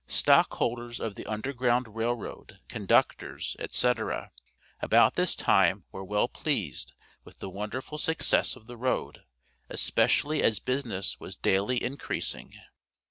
Stockholders of the Underground Rail Road, conductors, etc., about this time were well pleased with the wonderful success of the road, especially as business was daily increasing.